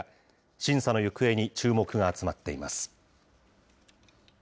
審査の行方に注目が集まっています。